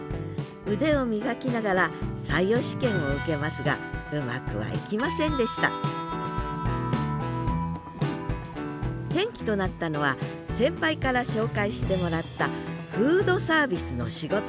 腕を磨きながら採用試験を受けますがうまくはいきませんでした転機となったのは先輩から紹介してもらったフードサービスの仕事。